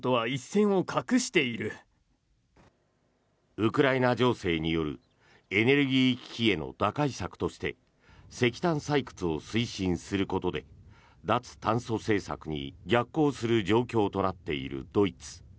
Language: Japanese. ウクライナ情勢によるエネルギー危機への打開策として石炭採掘を推進することで脱炭素政策に逆行する状況となっているドイツ。